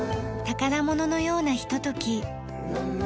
宝物のようなひととき。